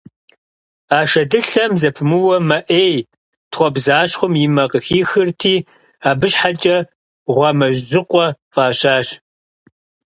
А шэдылъэм зэпымыууэ мэ Ӏей, тхъуэбзащхъуэм и мэ къыхихырти, абы щхьэкӀэ «Гъуамэжьыкъуэ» фӀащащ.